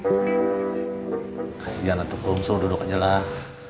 kasian atuh kum selalu duduk aja lah